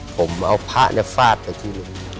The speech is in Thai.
ผมเอาผ้าเนี่ยฟาดไปที่ลุ้ง